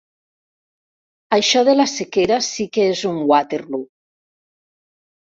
Això de la sequera sí que és un Waterloo.